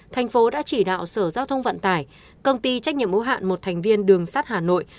thành phố đã chỉ đạo sở giao thông vận tải công ty trách nhiệm ủng hạn một thành viên đường sắt hà nội